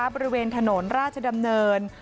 บริเวณถนนราชดำเนิน